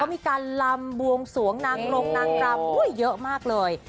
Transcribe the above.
มีการลำบวงสวงนางรงนางรำเยอะมากเลย